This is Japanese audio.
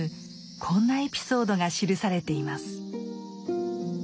こんなエピソードが記されています。